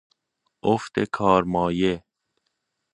افت کارمایه